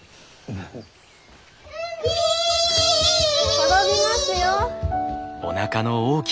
転びますよ！